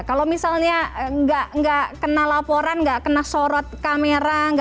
kalau misalnya tidak kena laporan tidak kena sorot kamera